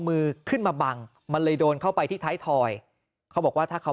มือขึ้นมาบังมันเลยโดนเข้าไปที่ท้ายถอยเขาบอกว่าถ้าเขา